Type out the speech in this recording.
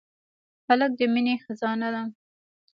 هلک د مینې خزانه ده.